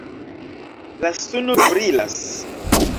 La suno brilas.